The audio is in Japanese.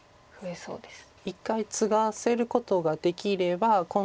そうですね。